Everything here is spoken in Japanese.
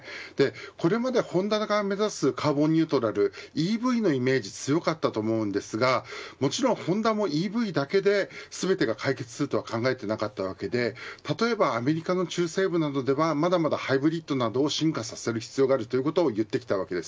これまでホンダが目指すカーボンニュートラルＥＶのイメージ強かったと思うんですがもちろんホンダも、ＥＶだけで全てが解決するとは考えてなかったわけで例えばアメリカの中西部などではまだまだハイブリッドなどを進化させる必要があるということを言ってきたわけです。